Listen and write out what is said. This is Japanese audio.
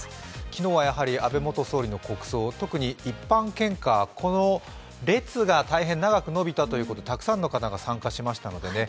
昨日は安倍元総理の国葬、特に一般献花、この列が大変長く延びたということでたくさんの方が参加しましたのでね。